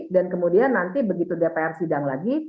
dan kemudian nanti begitu dpr sidang lagi